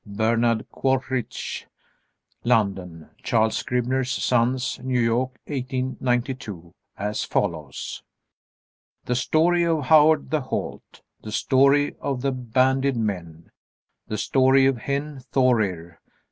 Bernard Quaritch, London; Charles Scribner's Sons, New York, 1892. As follows: "The Story of Howard the Halt," "The Story of the Banded Men," "The Story of Hen Thorir."